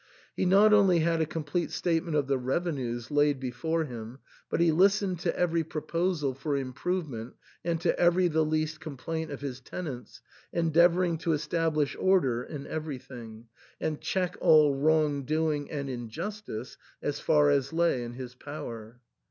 He not only had a com plete statement of the revenues laid before him, but he listened to every proposal for improvement and to every the least complaint of his tenants, endeavouring to establish order in everything, and check all wrong doing and injustice as far as lay in his power.